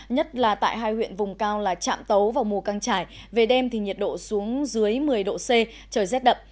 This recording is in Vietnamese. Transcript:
nhất là tại hai huyện vùng cao là trạm tấu và mù căng trải về đêm thì nhiệt độ xuống dưới một mươi độ c trời rét đậm